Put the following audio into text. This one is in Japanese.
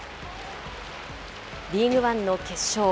リーグワンの決勝。